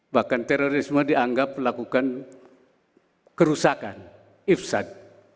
bahkan terorisme dianggap melakukan kerusakan ifsad